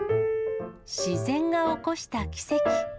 自然が起こした奇跡。